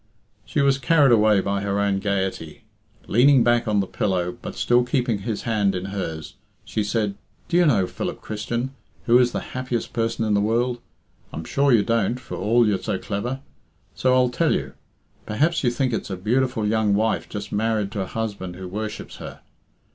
She was carried away by her own gaiety. Leaning back on the pillow, but still keeping his hand in hers, she said, "Do you know, Philip Christian, who is the happiest person in the world? I'm sure you don't, for all you're so clever. So I'll tell you. Perhaps you think it's a beautiful young wife just married to a husband who worships her.